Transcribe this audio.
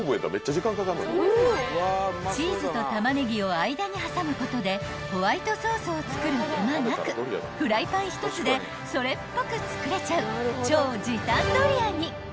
［チーズとタマネギを間に挟むことでホワイトソースを作る手間なくフライパン１つでそれっぽく作れちゃう超時短ドリアに］